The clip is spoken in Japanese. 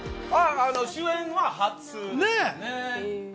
主演は初ですね。